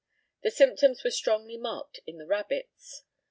The symptoms were strongly marked in the rabbits.